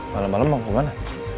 malam malam mau ke mana